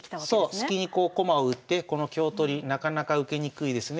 スキにこう駒を打ってこの香取りなかなか受けにくいですね。